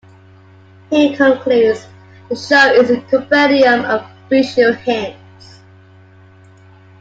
He concludes:The show is a compendium of visual hints.